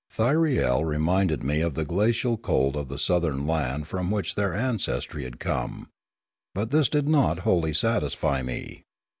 Thyriel reminded me of the glacial cold of the southern land from which their ancestry had come; but this did not wholly satisfy me.